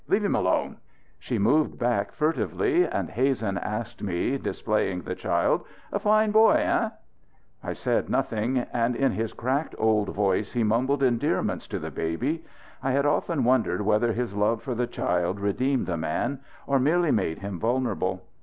Leave him alone!" She moved back furtively; and Hazen asked me, displaying the child: "A fine boy, eh?" I said nothing, and in his cracked old voice he mumbled endearments to the baby. I had often wondered whether his love for the child redeemed the man; or merely made him vulnerable.